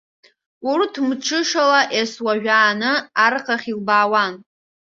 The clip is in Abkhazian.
Урҭ мҽышала ес-уажәааны архахь илбаауан.